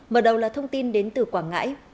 mở đầu là thông tin đến từ quảng ngãi